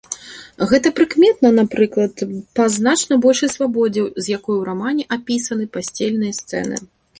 Гэта прыкметна, напрыклад, па значна большай свабодзе, з якой у рамане апісаны пасцельныя сцэны.